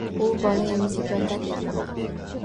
U bola emizib yotar edi